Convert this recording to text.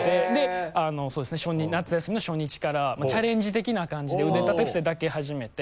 そうですね夏休みの初日からチャレンジ的な感じで腕立て伏せだけ始めて。